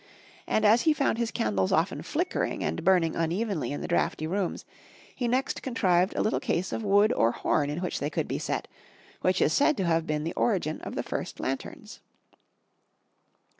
And as he found his candles often flickering and burning unevenly in the draughty rooms, he next contrived a little case of wood or horn in which they could be set, which is said to have been the origin of the first lanterns.